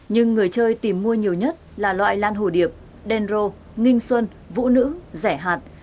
nhưng người chơi tìm mua nhiều nhất là loại lan hồ điệp đen rô ninh xuân vũ nữ rẻ hạt